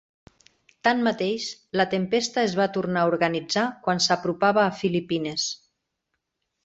Tanmateix, la tempesta es va tornar a organitzar quan s'apropava a Filipines.